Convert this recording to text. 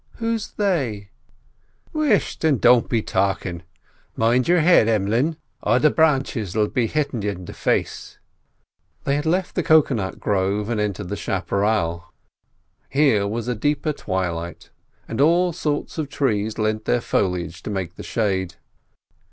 "Who's they?" "Whisht, and don't be talkin'. Mind your head, Em'leen, or the branches'll be hittin' you in the face." They had left the cocoa nut grove, and entered the chapparel. Here was a deeper twilight, and all sorts of trees lent their foliage to make the shade.